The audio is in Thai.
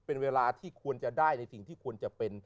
เป็นเวลาที่ควรจะได้ในสิ่งที่ควรจะเป็น